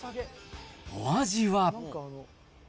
お味は。